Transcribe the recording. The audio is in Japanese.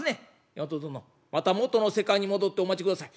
「山本殿また元の世界に戻ってお待ちください。